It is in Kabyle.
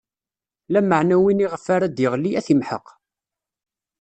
Lameɛna win iɣef ara d-iɣli, ad t-imḥeq.